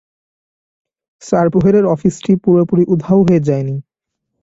সার্ভেয়ারের অফিসটি পুরোপুরি উধাও হয়ে যায়নি।